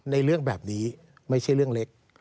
เรื่องแบบนี้ไม่ใช่เรื่องเล็ก